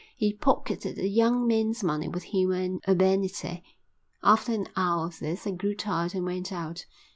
He pocketed the young men's money with humour and urbanity. After an hour of this I grew tired and went out.